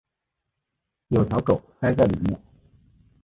有条狗塞在里面